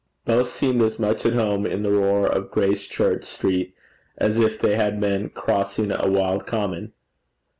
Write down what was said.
Both seemed as much at home in the roar of Gracechurch Street as if they had been crossing a wild common.